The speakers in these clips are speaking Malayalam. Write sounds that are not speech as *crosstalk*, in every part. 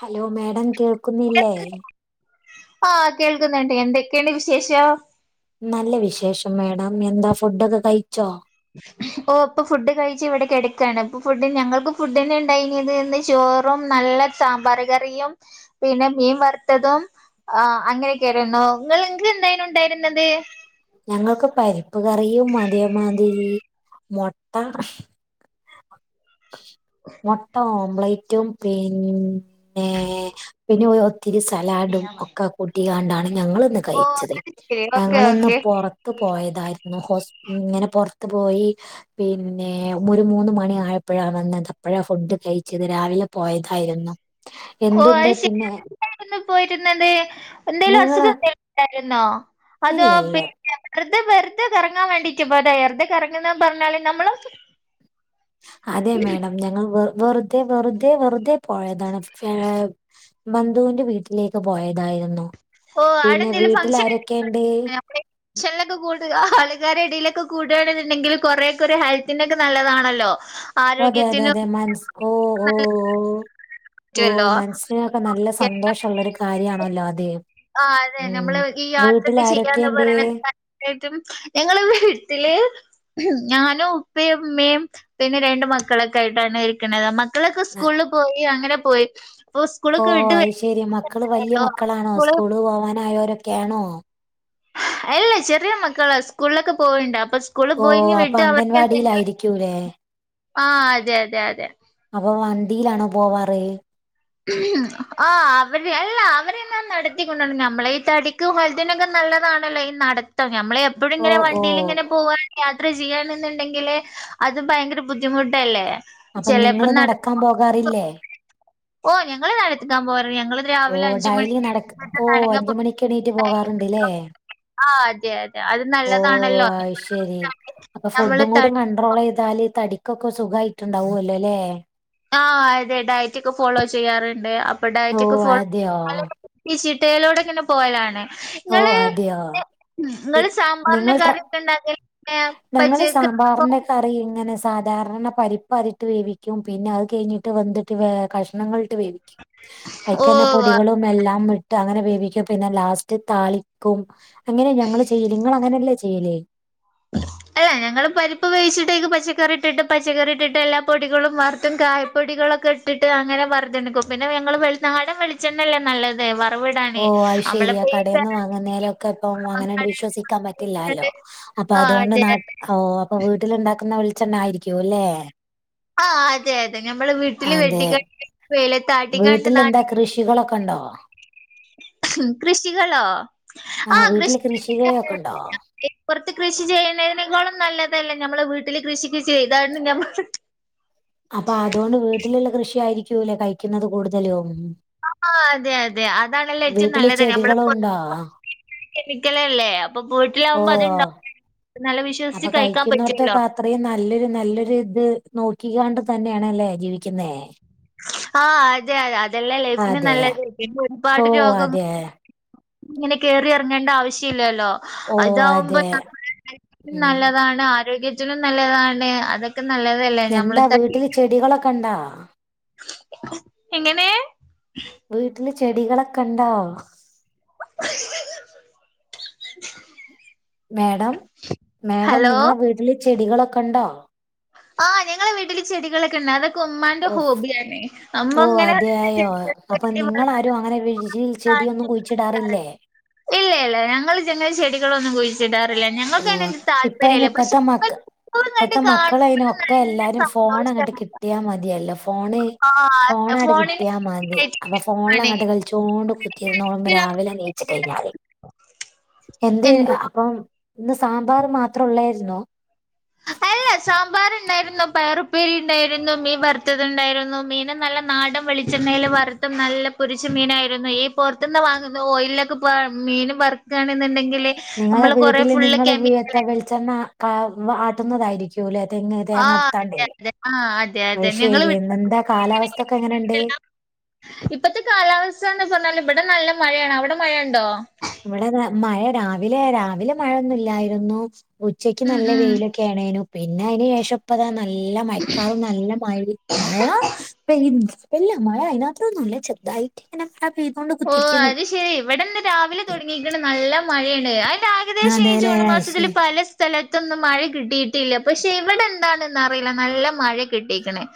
ഹലോ മേഡം കേള്ക്കുന്നില്ലേ ആ കേൾക്ക്ന്ന്ണ്ട് എന്തൊക്കെണ് വിശേഷം നല്ല വിശേഷം മാഡം എന്താ ഫുഡൊക്കെ കഴിച്ചോ ഓ പ്പം ഫുഡ് കഴിച്ച് ഇവടെ കെടക്കാണ് ഇപ്പോ ഫുഡ്ന് ഞങ്ങൾക്കും ഫുഡ്ന്ന് ഇണ്ടായ്നേത് ഇന്ന് ചോറും നല്ല നല്ല സാമ്പാറ്കറിയും ഇങ്ങക്ക് എന്തേയ്നുണ്ടേയ്രുന്നത് ഞങ്ങൾക്ക് മൊട്ട മൊട്ട ഓംബ്ലൈറ്റും പിന്നെ പിന്നെ ഒര് ഓ ഒത്തിരി സലാഡും ഒക്കെ കൂട്ടിക്കാണ്ടാണ് ഞങ്ങള്ന്ന് ഓ കഴിച്ചത് അത് ശരി ഓക്കെ ഞങ്ങള് ന്ന് ഓക്കെ പൊറത്ത് പോയതായിരുന്നു ഹോസ് ഇങ്ങനെ പൊറത്ത് പോയി പിന്നെ ഒരു മൂന്ന് മണി ആയ അപ്പൊഴാ വന്നത് അപ്പൊഴാ ഫുഡ് കഴിച്ചത് രാവിലെ പോയതായിര്ന്നു എന്തുണ്ട് പിന്നെ *unintelligible* യിരുന്നു പോയിരുന്നത് എന്തേലും നിങ്ങള് അസുഖന്തേണ്ടായ്ര്ന്നോ അതോ ഇല്ലല്ല പിന്നെ ത് വെറ്തെ കറങ്ങാൻ വേണ്ടീട്ട് പോയ്തൊ വെറ്തെ കറങ്ങ്ന്ന് പറ്ഞ്ഞാൽ നമ്മള് അതെ മാഡം ഞങ്ങൾ വെ വെറ്തെ വെറ്തെ വെറ്തെ പോയതാണ് ഫേ ബന്ധുവിന്റെ വീട്ടിലേക്ക് പോയതായിരുന്നു ഓ അവിടെ പിന്നെ വീട്ടിലാരൊക്കേണ്ട് ക്ഷനിലൊക്കെ കൂടുക ആൾക്കാരെടേലൊക്കെ കൂടാണ്ന്ന്ണ്ടെങ്കിൽ കൊറേക്കൊരു ഹെൽത്തിനൊക്കെ നല്ലതാണല്ലോ അതെ അതെ ആരോഗ്യത്തിനും അതെ മൻസ് ഓ ഓ ഓ പറ്റുമല്ലോ മനസ്സ്നൊക്കെ നല്ല എല്ലാം- സന്തോഷള്ളൊരു കാര്യാണല്ലോ അത് ആ അതെ ഉം നമ്മള് ഈ വീട്ടിൽ യാത്രൊക്കെ ചെയ്യാന്ന് ആരൊക്കെയുണ്ട്? പറിണത് തന്നെ ഏറ്റവും ഞങ്ങള് വീട്ടില് ഞാനും ഉപ്പയും മ്മയും പിന്നെ രണ്ട് മക്കളൊക്കെ ആയ്ട്ടാണ് ഇരിക്ക്ണത് മക്ക് ക്കളൊക്കെ ആ, സ്കൂളിൽ പോയി അങ്ങനെ പോയി അപ്പൊ ഓ സ്കൂളൊക്കെ വിട്ട് അയ്ശെരി മക്കള് വല്ല്യ വരുമ്പോ മക്കളാണോ സ്കൂള് പോവാനായോരൊക്കേണോ അല്ല ചെറിയ മക്കളാ സ്കൂള്ലൊക്കെ പോവ്ണ്ട് അ പ്പം സ്കൂള്ല് ഓ പോയി ഞ്ഞി അപ്പൊ വിട്ട് അവർക്കെന്തെങ്കിൽ അംഗൻവാടിയിലായിരിക്കൂലേ? ആ അതെ അതെ അതെ അപ്പോ വണ്ടീലാണോ പോവാറ് ആ അവര് അല്ല അവരെ ഞാൻ നടത്തിക്കൊണ്ടാണ് നമ്മളെ ഈ തടിക്കും ഹെൽത്തിനൊക്കെ ന നല്ലതാണല്ലോ ഈ നടത്തം നമ്മൾ എപ്പോഴും ഓ ങ്ങനെ ഓ വണ്ടീല്ങ്ങനെ പോവാണെങ്കി അ ത്രചെയ്യാണ്ന്ന്ന്ന്ണ്ടെങ്കില് അത് ഭയങ്കര ബുദ്ധിമുട്ടല്ലേ അപ്പം നിങ്ങൾ ചെലപ്പം നടക്കാൻ പോകാറില്ലേ ഓ ഞങ്ങള് നടക്കാൻ പോൽ ഓ ഡൈലി ന്നടക് കോ അഞ്ചുമണിക്ക് എണീറ്റ് പോകാറ്ണ്ട് ലേ ആഹ് അതെ അതെ അത് ഓ നല്ലതാണല്ലോ അഅ് ശെരി അപ്പം നമ്മള് ഫുഡ്ഡും കൂടി തടി കൺണ്ട്രോളെയ്താല് തടി ക്കൊക്കോ സുഖായിട്ട്ണ്ടാഉഅല്ലൊ ലേ ആ അതെ ഡയറ്റൊക്കെ ഫോളോ ചെയ്യാറ്ണ്ട് അപ്പൊ ഓ ഡയറ്റൊക്കെ ഫോളോ അതെയോ *unintelligible* *unintelligible* തേലോടെങ്ങന പോയാലാണ്. ഓ ഇങ്ങള് അതെയോ പി ഇങ്ങള് സാമ്പാറിന് നിങ്ങൾ ട്ര കറി എത്താ ഉണ്ടാക്കല്. ഞങ്ങള് സാമ്പാറ് ഇന്റെ കറി ഇങ്ങനെ സ് സാധാരണ പരിപ്പ് അതിട്ട് വേവിക്കും പിന്നെ അയ് കഴിഞ്ഞിട്ട് വെന്ത്ട്ട് വേ കഷ്ണങ്ങൾ ഇട്ട് വേവിക്കും ഓ അയ്ക്കെന്നെ പൊടികളും എല്ലാം ഇട്ട് അങ്ങനെ വേവിക്കും പിന്നെ ലാസ് റ്റ് താളിക്കും അങ്ങനെ ഞങ്ങള് ചെയ്യല്, ഇങ്ങള് അങ്ങനെ അല്ലേ ചെയ്യല്. പാ ഞങ്ങളും പരിപ്പ് വേിച്ചിട്ട് അയ്ക്ക് പച്ചക്കറി ഇട്ടിട്ട് പച്ചക്കറി ഇട്ടിട്ട് എല്ലാ പൊടികളും വർത്തും കായ പൊടികളൊക്കെ ഇട്ടിട്ട് അങ്ങനെ വർതെണ്ക്കും പിന്നെ വെങ്ങൾ വെൾ നാടൻ വെളിച്ചെണ്ണ അല്ലേ നല്ലത് വർ ഓ അയ് ശെരിയാ കടേന്ന് വാങ്ങുന്നേലൊക്കെ ഇപ്പം അങ്ങനെയങ്ങ്ട് വിശ്വസിക്കാൻ പറ്റില്ലല്ലോ അപ് പ്പ ആഹ് അതോണ്ട് അതെ ന്നാട്ട് ഓ അപ്പം വീട്ടില് ഉണ്ടാക്കുന്ന വെളിച്ചെണ്ണ ആയിരിക്കും അല്ലേ. ആ അതെ അതെ ഞമ്മള് വീട്ടില് അതെ വെട്ടിക്കൊണ്ടി വെയ്ലത്താട്ടികൊണ്ട് വീട്ടിലെന്താ നാട്ടി കൃഷികളൊക്കെണ്ടോ? കൃഷികളോ ആ ആഹ് വീട്ടില് കൃഷ് കൃഷികളൊക്കെണ്ടോ? *unintelligible* കൃഷി ചെയ്യ്ണേനെകാളും നല്ലതല്ലേ ഞമ്മളെ വീട്ടില് കൃഷി കെ ചെയ്താണ്ട് ഞമ്മള്. ചൂല കഴിക്യുന്നത് കൂടുതലും. അ ആ അതെ അത്. ലേ അതാണല്ലോ ഏറ്റവും വീട്ടില് നല്ലത് ഞമ്മള് പൊർ ചെടികളുണ്ടോ? *unintelligible* കെമിക്കല് അല്ലേ. പം പ്പൊയ്ട്ടിലാകുമ്പോ അതേണ്ടാ അപ്പോ കഴിക്കുന്നോട്ത്തൊക്കെ അത്രയും നല്ലൊരു നല്ലൊര് ഇത്. നോക്കിക്കാണ്ട് തന്നെയാണ് ഇല്ലേ ജീവിക്കുന്നേ. ആ അതെ അതല്ലേ ലൈഫിന് അതെ നല്ലത്, പിന്നെ ഓ ഒരുപാട് രോഗങ്ങ് അതെ ഇ ങ്ങന കേറി എറാങ്ങേണ്ട ആവശ്യമി ല്ലല്ലോ. ഓ അ ഇതാകുമ്പോ അതെ നമ്മുടെ ലൈഫിനും ഉം. നല്ലതാണ്, ആരോഗ്യത്തിനും നല്ലതാണ്, അതെക് ക്കെ ന്നല്ലതല്ലേ എന്താ ഞമ്മള് തടി വീട്ടില് ചെടികളൊക്കെ ഇണ്ടാ എങ്ങനേ. വീട്ടില് ചെടികളൊക്ക ഉണ്ടോ? മേഡം മേഡം ഹലോ നിങ്ങളെ വീട്ടില് ചെടികളൊക്കെ ഉണ്ടോ? ആ നങ്ങളെ വീട്ടില് ചെടികളൊക്കയുണ്ട് അതൊക്കെ ഉമ്മാന്റെ ഓ ഹോബിയാനെ ഉമ്മ ഇങ്ങനെ ചെടി ചട്ടി അപ്പോ നിങ്ങളാരും അങ്ങനെ വി. *unintelligible* *unintelligible* ഇല്ലേ ല്ല ഞങ്ങള് അങ്ങനെ ചെടികളൊന്നും കുഴിച്ചിടാർ ണ്ടെല്ലെ ഓ ഞങ്ങൾക്കാണെങ്കി ഇപ്പ അയിന് താല്പര്യല്ല്യ പക്ഷേ ഇപ്പത്തെ മക്ക ഇപ്പത്തെ *unintelligible* കാണു മ്പോളെ നല്ല സന്തോഷാ. അങ്ങോട്ട് കിട്ടിയാ മതിയല്ലോ ഫ് ഫോണ് അതെ ഫോണാട് ഫോണിന് കിട്ടിയാ മതി അപ്പോ ഫോണിൽ ആണ് അങ്ങട് കളിച്ചോണ്ട് കുത്തിരുന്നോളും പ രാ രാവിലെ ന്നീച്ച് കഴിഞ്ഞാല് എന്ത് എന്തോ അപ്പോ. ഇന്ന് സാമ്പാറ് മാത്രം ഉള്ളായ്രുന്നോ? അല്ല സാമ്പാറ്. ഉണ്ടായിരുന്നു, പയറു ഉപ്പേരി ഉണ്ടായിരുന്നു, മീൻ വറുത്തത്ണ്ടായിരുന്നു, മീന് നല്ല നാടൻ വെളിച്ചെണ്ണേല് വറ് ത്ത് നല്ല പൊരിച്ച മീനായിരുന്നു, ഈ പൊറത്തുന്ന് വാങ്ങുന്ന ഓയിലിലൊക്കെ പോ മീന് വറക്കുആണെന്നുണ്ടെങ്കി നിങ്ങളെ വീട്ടില് നിങ്ങള് വി എത്ത വെളിച്ചെണ്ണ കാ ആട്ടുന്നതായിരിക്കു ല്ലേ. തെങ്ങ് ആ തേങ്ങ അതെ എടുത്താണ്ടേ അതെ ആ അതെ അതെ അയ് ശെരി ഞങ്ങള് വി പിന്ന എന്താ കാലാവസ്ഥ ഒക്കെ എങ്ങനെയുണ്ട്? ഇപ്പത്തെ കാലാവസ്ഥ യെന്ന് പറഞ്ഞാല് ഇബടെ നല്ല മഴയാണ് അവടെ മഴയുണ്ടോ? ഇവിടെ ന മഴ രാവിലെ രാവില മഴയൊന്നും ഇല്ലായിരുന്നു, ഉച്ചക്ക് ഉം നല്ല ഉം വെയിലൊക്കെ ആണേനും. പിന്നെ അയ്ന് ശേഷം ഇപ്പതാ നല്ല മയക്കാറും നല്ല മഴയും, മഴ പെയ്ത്. ഇല്ല മഴ അയ്ന് മാന്ത്രൊന്നും ഇല്ല ചെറുതായിട്ട് ഇങ്ങനെ ഇങ്ങനെ പെയ് തും. ഓ അത് ശെരി ഇവടെ ഇന്ന് രാവിലെ തൊടങ്ങീക്ക്ണ് നല്ല മഴയാണ് അയ് ഏകദേശം ഈ അതേലേ ജൂൺ മാസത്തിൽ അയ്ശരി. പല സ്ഥല ത്തൊന്നും മഴ കിട്ടിയിട്ടില്ല പക്ഷെ ഇവിടെ എന്താണെന്ന് അറിയില്ല നല്ല മഴയാ.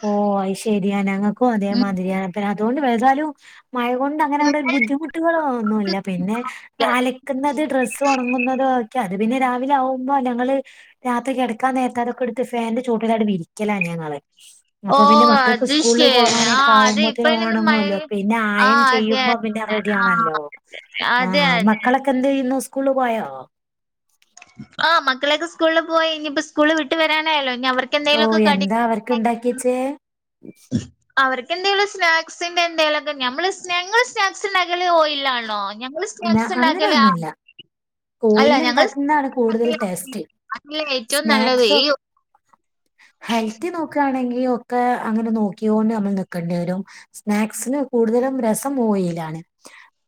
ഓ അയ് ശരിയാണ് ഞങ്ങൾക്കും ഉം അതേമാതിരിയാണ് പിന്നെ അതുകൊണ്ട് വലുതാലും. മഴകൊണ്ട് അങ്ങനെ അങ്ങട് ഒരു ബുദ്ധിമുട്ടുകള് ഒന്നുമില്ല പിന്നെ അലക്കുന്നത്, ഡ്രസ്സ് ഉണങ്ങുന്നത്, ഒക്കെ. പിന്നെ രാവിലെ ആകുമ്പോ ഞങ്ങള് രാത്രി കിടക്കാൻ നേരത്താതൊക്കെ എടുത്ത് ഫാനിന്റെ ചൂട്ടിലായിട്ട് വിരിക്കലാ ഞങ്ങള്. ഓ അപ്പൊ പിന്നെ മക്കൾക്ക് അത് സ്കൂള ശരി ആ പോകാനൊക്കെ അത് ഇപ്പ ആവുമ്പോത്തിന് അയിനൊന്നും മഴ ഓണങ്ങല്ലോ പിന്നെ ആ അയേൺ അതെ ചെയ്യുമ്പോ അതെ. പിന്നെ ആ റെഡിയാണല്ലോ ആ അതെ അതെ മക്കളൊക്കെ എന്ത് ചെയ്യുന്നു സ്കൂള് പോയോ ആഹ് മക്കളൊക്കെ സ്കൂള് പോയി ഇഞ്ഞ്പ്പോ സ്കൂള് വിട്ട് വരാനായല്ലോ ഇനി അവർക്ക് ഓ എന്തെങ്കിലുമൊക്കെ കടി എന്താ അവർക്ക് ഇണ്ടാക്കിയച്ചേ അവർക്കെന്തേലും സ്നാക്സിന്റെ എന്തേലൊക്കെ നമ്മള് ഞങള് സ്നാക്സ് ണ്ടാ ക്കല് ഓയിൽ ആണല്ലോ ഞങ്ങള് സ്നാക്സ് അങ്ങനെ ഇണ്ടാക്കല് അ ഒന്നുമില്ല അല്ല ഓയിലിൽ ഞങ്ങൾ ഉണ്ടാക്കുന്നതാണ് കൂടുതൽ *unintelligible* ടേസ്റ്റ് *inaudible* അതല്ലേ ഏറ്റവും നല്ലത് സ്നാക്സും ഈ ഒക്കെ ഉ ഹെൽത്തി നോക്കാണെങ്കി ഒക്കെ അങ്ങനെ നോക്കിയൊണ്ട് നമ്മൾ നിക്കേണ്ടി വരും സ്നാക്സിന് കൂടുതലും രസം ഓയിലാണ്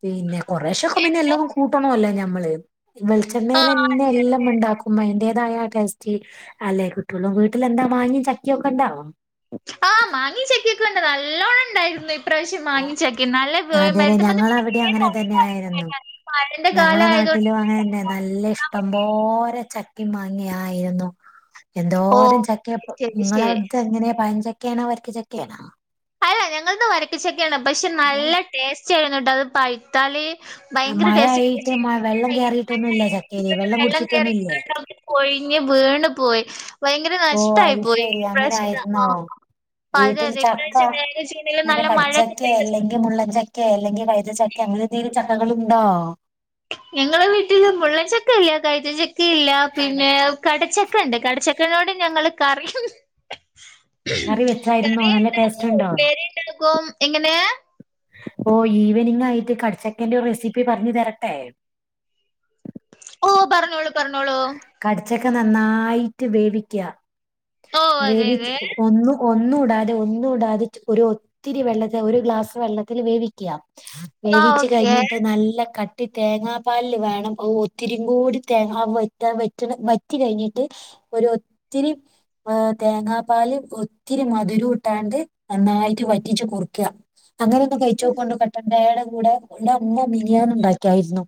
പിന്നെ കൊറേശൊക്കെ പിന്നെ എല്ലതും കൂട്ടണല്ലോ ഞമ്മള് ആ വെളിച്ചെണ്ണയിലെന്നെ എല്ലം ഇണ്ടാക്കുംമ്പ അയിൻ്റെ തായ ടേസ്റ്റ് അല്ലെ കിട്ടള്ളൂ വീട്ടിലെന്താ മാങ്ങിം ചക്കയൊക്കെ ഇണ്ടോ ആഹ് മാങ്ങിം ചക്കെക്കൊണ്ട് നല്ലോണം ഇണ്ടായിര്ന്ന് പ്രാവശ്യം മാങ്ങിം ചക്കിം നല്ല അതെന്നെ മരത്ത്മെന്ന് പിന്നെ ഞങ്ങളവിടെ അങ്ങനെ *unintelligible* മഴൻ്റെ കാലായതോ ട്ടിലും അങ്ങനെന്നെ നല്ല ഇഷ്ടം പോലെ ച ക്കിം മാങ്ങിം ആയിരുന്നു ഓ എന്തോരം ചക്കെപ്പം ശരി ശരി നിങ്ങളവിടുത്തെ എങ്ങനെയ പയച ക്ക്യാണോ വരക്ക ചക്കെയാണോ അല്ല ഞങ്ങൾത് വരക്കച്ചക്കെയാണ് പക്ഷെ ഓ നല്ല ടേസ്റ്റ് ഏരുന്നുട്ട് അത് പഴ്ത്താല് ഭയങ്കര മഴയായിട്ട് ടേസ്റ്റ് മ വെള്ളം കേറിയിട്ടൊന്നുല്ല ചക്കയില് *inaudible* വെള്ളം വെള്ളംകേറി കുടിച്ചിട്ടൊന്നുല്ലേ കാണ്ടൊക്കെ പോയി പിന്നെ വീണ് പോയി ഭയങ്കര ഓ നഷ്ടായി അത് പോയി ശരി അങ്ങനെ ഇപ്രാവശ്യത്തെ *inaudible* ആയിരുന്നോ അതെ വീട്ടിൽ അതെ ചക്ക *unintelligible* അങ്ങനെ നല്ല മഴൊക്കെ കടിച്ചക്കെ *unintelligible* ചക്ക അങ്ങനെ എന്തേലും ചക്കകള് ണ്ടോ ഞങ്ങളെ വീട്ടില് മുള്ളൻ ചക്കയില്ല കൈതച ക്കില്ല പിന്നെ കടച്ചക്ക ഉണ്ട് കടച്ചക്കനോട് ഞങ്ങള് കറിയും കറി വെച്ചായിരുന്നോ നല്ല ടേസ്റ്റ് ഉണ്ടോ എങ്ങനേ ഓ ഈവനിങ് ആയിട്ട് കടച്ചക്കന്റെ റെസിപ്പി പറഞ്ഞു തരട്ടെ ഓ പറഞ്ഞോളു പറഞ്ഞോളൂ ച്ചക്ക നന്നായിട്ട് വേവിക്കുക ഓ അതെ വേവിച് അതെ ഒന്നു ഒന്നൂടാതെ ഒന്നൂടാതെ ഒരു ഒത്തിരി വെള്ളത്തിൽ ഒരു ഗ്ലാസ് വെള്ളത്തിൽ വേവിക്ക ആ വേവിച്ച് ഓക്കെ. കഴിഞ്ഞിട്ട് നല്ല ക ട്ടി തേങ്ങാപ്പാല് വേണം ഒത്തിരി കൂടി തേങ്ങ താ വറ്റ്ണ് വറ്റി കഴിഞ്ഞിട്ട് ഒരു ഒത്തിരി തേങ്ങാപ്പാല് ഒത്തി രി മധുരു ഇട്ടാണ്ട് നന്നായിട്ട് വറ്റച്ച് കുർക്ക അങ്ങനൊന്നു കഴിച്ചോക്കൊണ്ട് കട്ടൻ ചായുടെ കൂടെ ഇടെ അമ്മ മിനിയാന്ന് ഉണ്ടാക്കിയായിരുന്നു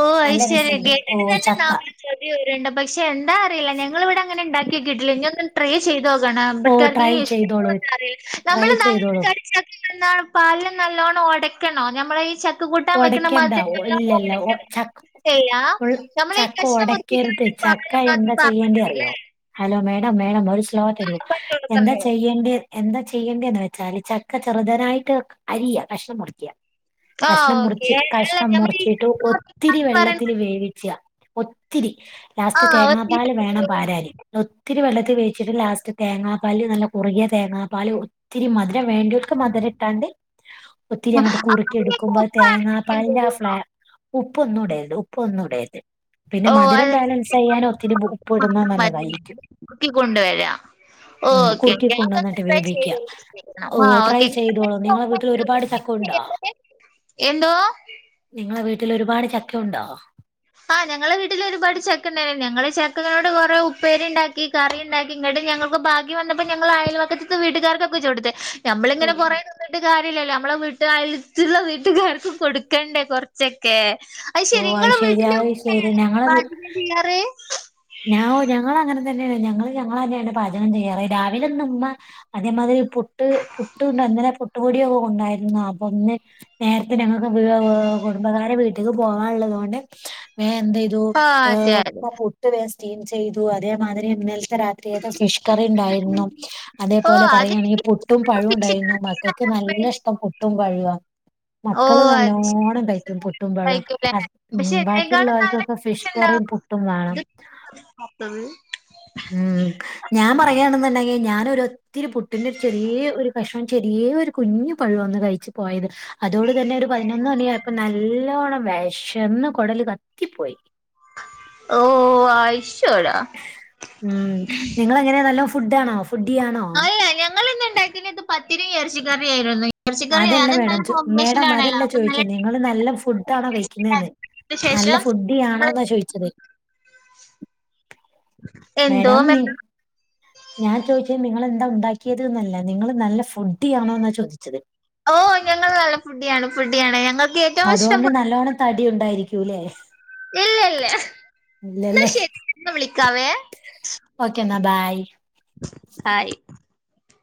ഓ നല്ല അത്ശരി രസമുണ്ട് ഓ കേട്ടിട്ട് നല്ല ന ചക്ക ആ ചരുണ്ട് പക്ഷെ എന്താ അറിയില്ല ഞങ്ങൾ ഇവിടെ അങ്ങനെ ഉണ്ടാക്കിക്കിയിട്ടില്ല ഇനി ഒന്ന് ട്രൈ ചെയ്തോക്കണം ഓ ഇബട്താർക്ക് ട്രൈ ചെയ്തോളൂ ഇഷ്ടപ്പെടോന്നറിയില്ല ട്രൈ നമ്മള് ചെയ്തോളൂ *unintelligible* ന്നാ പാലില് നല്ലോണ്ണം ഒടക്കണോ ഞമ്മളെ ഈ ചക്ക കൂട്ടാൻ വെക്ക്ണ മാതിരി അല്ലല്ലോ ല്ലല്ല ഒ ച നമ്മളീ ചക്ക കഷ്ണം ഒടക്കരുത് മുറിച്ചിക്കാണ്ട് ചക്ക പാലില് എന്താ മാത്രം പാർന്നാ ചെയ്യേണ്ടെ അറിയോ മതില്ലേ? ഹലോ മേ ടം മേടം ഒരു സ്ളോ ആ തരൂ പറഞ്ഞോളൂ എന്താ പറഞ്ഞോളൂ. ചെയ്യേണ്ടി എന്താ ചെയ്യേ ണ്ടേന്ന് വെച്ചാല് ചക്ക ചെറുതനായിട്ട് അരിയ കഷ്ണം മുറിക്ക ആ കഷ്ണം ഓക്കെ. മുറിച്ച് അല്ല കഷ്ണം നമ്മളീ മുറിച്ചിട്ട് ഒത്തിരി പറയണ വെള്ളത്തിൽ വേവിച്ച ഒത്തിരി ആ ലാസ്റ്റ് ഒരു തേങ്ങാപ്പാല് വേണംപാരാന് ത്തിരിവെള്ളത്തിൽ വേിച്ചിട്ട് ലാസ്റ്റ് തേങ്ങാപാല് നല്ല കുറുകിയതേങ്ങാപാല് ഒ ത്തിരിമധുരം വേണ്ടിയോൽക്ക് മധുരട്ടാണ്ട് ഒത്തിരിഅങ്ങട്ട് ആ കുറക്കിയെടു അതിനൊക്കെ ഉപ്പ് ആഡ് ചെയ്യേണ്ടി ക്കുമ്പോൾതേങ്ങാപാലിന്റെ ആ വരുമോ? ഫ്ലേ ഉപ്പൊന്നുംടരുത് ഉപ്പൊന്നുംടരുത് ഓ പിന്നെമധുരം അത് ബാലൻസ്സെയാൻ മാത്രം ഒത്തിരിഉപ്പ്ഇടുന്നെ മാത്രം മതി നല്ലതായിരിക്കും നോക്കി കൊണ്ടുവരാം മം ഓക്കെ കുറുക്കി ഓക്കെ അതൊന്ന് കൊണ്ടുവന്നിട്ട് ട്രൈ വേവിക്യ ചെയ്ത് നോക്കണം. ട ഓ ആ ട്രൈ ഓക്കെ ചെയ്തോളൂ നിങ്ങളെവീട്ടിൽ ഒരുപാട് ചക്ക ഉണ്ടോ എന്തോ നിങ്ങളെ വീട്ടിൽ ഒരുപാട് ചക്കയുണ്ടോ ആ ഞങ്ങളെ വീട്ടിൽ ഒരുപാട് ചെക്കണ്ടയ്നി ഞങ്ങൾ ചക്ക കുറേ ഉപ്പേരിണ്ടാക്കി കറിണ്ടാക്കി ഇങ്ങട്ട് ഞങ്ങക്ക് ബാക്കി വന്നപ്പോ ഞങ്ങൾ അയൽവക്ക്ത്ത്ത്തെ വീട്ടുകാർക്കൊ *unintelligible* നമ്മളിങ്ങനെ ഓ കൊറേ തിന്നിട്ട് *unintelligible* മ്മളെ വീട്ടുകാർ അടുത്തുള്ള വീട്ടുകാർക്കും കൊടുക്കണ്ടേ കുറച്ചൊക്കെ അയ്ശരി നിങ്ങളെ വീട് അയ്ശരി ഞങ്ങളെ വീ ഞവൊ ഞങ്ങളുംങ്ങനെതന്നെയാണ് ഞങ്ങളുംഞങ്ങൾന്നെണ് പാചകംചെയ്യാറ് രാവിലെന്ന്ഉമ്മ അതേമാതിരി പുട്ട് പുട്ടുണ്ട്ങ്ങനെ *unintelligible* പുട്ടപൊടിയൊക്കെണ്ടായിരുന്ന അപ്പൊന്ന് നേരത്തെഞങ്ങൾക്ക് *unintelligible* ഒ കുടുംബക്കാരെ വീട്ടിക്ക് പോകാള്ളതൊണ്ട് വോമം എന്ത് ചെയ്യ്തു ആ ഏ അതെ അതെ ഇപ്പോ പുട്ട് വേമഠ സ്റ്റീംചെയ്തു അതേമാതിരി രാത്രിക്കത്തെ ഫിഷ്കറിണ്ടായിരുന്നു ഓ അതേപോലെ അത് പറയാണെങ്കി പുട്ടും പിച്ചി- പഴംണ്ടായിരുന്നു മക്കൾക്ക് നല്ലഇഷ്ടം പുട്ടും പഴുയാ ഓ മക്കൾ അത് ശരി നല്ലോണം കഴിക്കും പുട്ടും പഴം ആയിരിക്കുമല്ലേ ഹസ് മം പക്ഷെ എന്നെക്കാളും നല്ല ബാക്കിയുള്ളോർകെക്കെ ഫിഷ് ടേസ്റ്റ് *unintelligible* ഉണ്ടാവും പുട്ടും മാണം ഇത് കാത്തത്. മം ഞാൻ പറയാണ്ണ്ടെങ്കി ഞാനൊരു അതോട് തന്നെ ഒരുപതിനൊന്ന് മണിയായപ്പൊ നല്ലോണം വേ ശന്ന് കൊടല് കത്തിപ്പോയി ഓ ഓ ആയിഷ് മം നിങ്ങളെങ്ങാനെ നല്ലോം ഫുഡ് ആണോ അല്ല ഞങ്ങളിന്ന്ണ്ടാക്കിനെത് പത്തിരിം എറച്ചി കറിയും ആയിരുന്നു ഇറച്ചിക്കറി അതല്ല അത് നല്ല മേഡം ച്ചു കോമ്പിനേഷൻ മേഡം ആണല്ലോ അതല്ല അപ്പൊ നല്ല ചോയ്ച്ചേ നിങ്ങളൾ നല്ല ഫുഡ് ആണോ ടേസ്റ്റ് കഴിക്കുന്നെന്ന് ആക്കിയതിന് നല്ല ശേഷം ഫുഡ്ഡിയാണോന്നാ ഞങ്ങള് ചോയ്ച്ചത് എന്തോ മേഡം മെ- നി ഞാൻചോയ്ചേ നിങ്ങളെ ന്തണ്ടാക്കിയത്‌ന്നാല്ല നിങ്ങൾ നല്ല ഫുഡ്ഡിയണൊന്നാ ചോദിച്ചത് ഓ ഞങ്ങൾ നല്ല ഫുഡ്ഡിയാണ് ഫുഡ്ഡിയാണ് ഞങ്ങൾ അതുകൊണ്ട് നല്ലോണം തടി ഉണ്ടായിരിക്കൂല്ലേ ഇല്ലല്ല ഇന്നാ ശരി എന്നവിള കാവേ ഓക്കെ എന്നാ ബൈ ആയി